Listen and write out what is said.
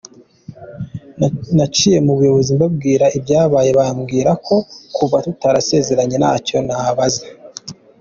Naciye mu buyobozi mbabwira ibyabaye bambwiye ko kuva tutarasezeranye ntacyo nabaza.